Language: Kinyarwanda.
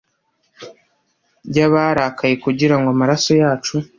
y'abarakaye kugirango amaraso yacu